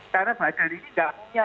karena bahasa ini gak punya